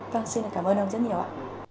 vâng xin cảm ơn ông rất nhiều ạ